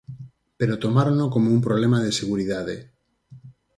Pero tomárono como un problema de seguridade.